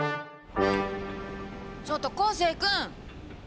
ちょっと昴生君！